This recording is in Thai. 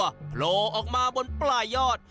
โผล่ออกมาบนปลายยอด